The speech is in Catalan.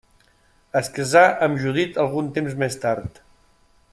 Es casà amb Judit algun temps més tard.